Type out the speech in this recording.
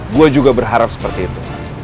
gue juga berharap seperti itu